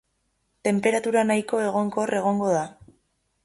Tenperatura nahiko egonkor egongo da.